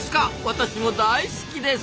私も大好きです！